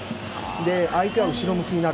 相手は後ろ向きになる。